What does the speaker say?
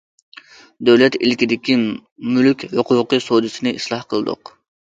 دۆلەت ئىلكىدىكى مۈلۈك ھوقۇقى سودىسىنى ئىسلاھ قىلدۇق.